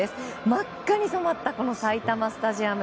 真っ赤に染まった埼玉スタジアム。